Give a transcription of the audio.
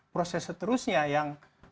proses seterusnya yang